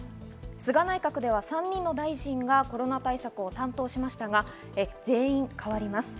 菅内閣では３人の大臣がコロナ対策を担当しましたが全員変わります。